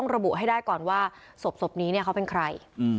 เผื่อมีอะไร